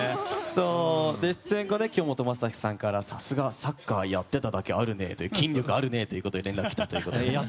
で、出演後、京本政樹さんからさすが、サッカーやっていただけあるねと筋力あるねということで連絡がきたということで。